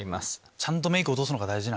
ちゃんとメイク落とすのが大事。